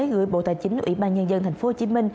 gửi bộ tài chính ủy ban nhân dân tp hcm